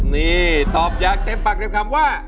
นี่ตอบอยากเต็มปากในคำว่า